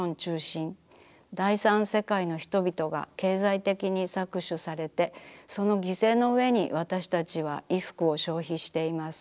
第三世界の人々が経済的に搾取されてその犠牲のうえにわたしたちは衣服を消費しています。